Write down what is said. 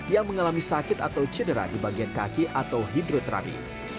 yang mengalami sakit atau cedera di bagian kaki atau hidroterapi